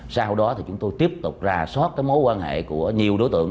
sau đó thì chúng tôi tiếp tục rà soát cái mối quan hệ của nhiều đối tượng